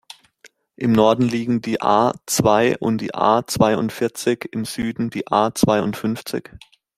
Im Norden liegen die A-zwei und die A-zweiundvierzig, im Süden die A-zweiundfünfzig.